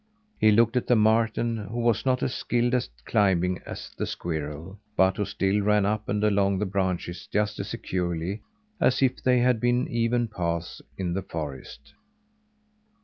He looked at the marten, who was not as skilled at climbing as the squirrel, but who still ran up and along the branches just as securely as if they had been even paths in the forest.